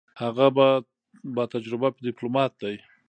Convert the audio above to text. هغه با تجربه ډیپلوماټ دی.